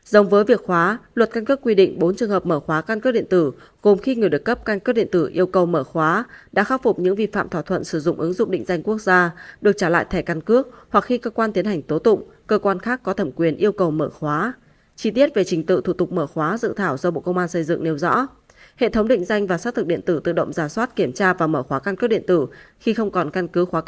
giống với việc khóa luật căn cước quy định bốn trường hợp mở khóa căn cước điện tử gồm khi người được cấp căn cước điện tử yêu cầu mở khóa đã khắc phục những vi phạm thỏa thuận sử dụng ứng dụng định danh quốc gia được trả lại thẻ căn cước hoặc khi cơ quan tiến hành tố tụng cơ quan khác có thẩm quyền yêu cầu mở khóa